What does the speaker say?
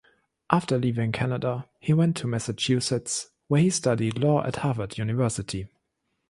After leaving Canada, he went to Massachusetts where he studied law at Harvard University.